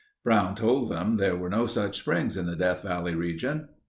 Brown told them there were no such springs in the Death Valley region.